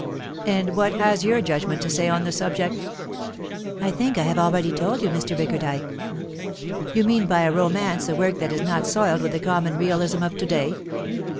"And what has your judgment to say on the subject?" "I think I have already told you, Mr. Bickerdike." "You mean by a romance a work that is not soiled with the common realism of to day."